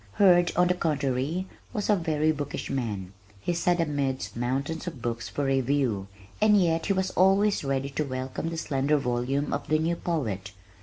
Hurd, on the contrary, was a very bookish man. He sat amidst mountains of "books for review" and yet he was always ready to welcome the slender volume of the new poet.